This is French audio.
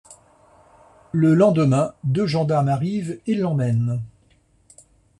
Le lendemain, deux gendarmes arrivent et l’emmènent.